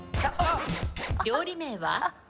料理名は？